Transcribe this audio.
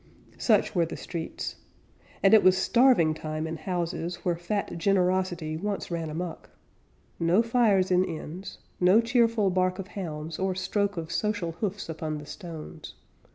Such were the streets And it was starving time in houses Where fat generosity once ran amuck, No fires in inns, no cheerful bark of hounds, Or stroke of social hoofs upon the stones.